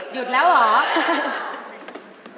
หยุดแล้วเหรอ